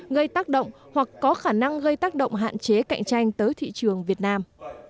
gây tác động hoặc có khả năng gây tác động hạn chế cạnh tranh tới thị trường việt nam